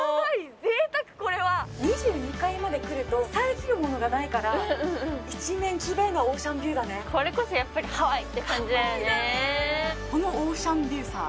贅沢これは２２階まで来ると遮るものがないから一面きれいなオーシャンビューだねこれこそやっぱりハワイって感じだよね